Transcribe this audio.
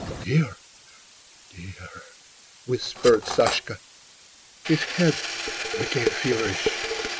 "Dear—dear!" whispered Sashka. His head became feverish.